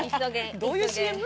どういうＣＭ？